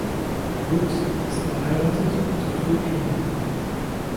Brooks ist verheiratet und hat vier Kinder.